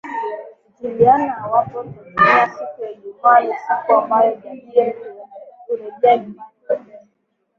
Jiliana awapo Tanzaniasiku ya ijumaa ni siku ambayo Jabir hurejea nyumbani mapema